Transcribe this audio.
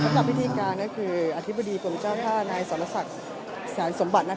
ต่อไปวิธีการคืออธิบดีกลมเจ้าท่านายสรภาษณ์สมบัติ